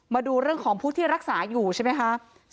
มาดูเรื่องของผู้ที่รักษาอยู่ใช่ไหมคะ